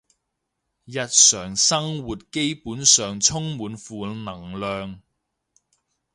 日常生活基本上充滿負能量